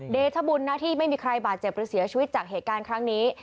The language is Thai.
เดชบุญนะที่ไม่มีใครบาดเจ็บหรือเสียชีวิตจากเหตุการณ์ครั้งนี้